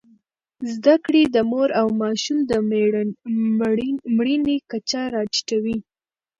زدهکړې د مور او ماشوم د مړینې کچه راټیټوي.